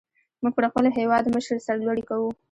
موږ پر خپل هېوادمشر سر لوړي کو.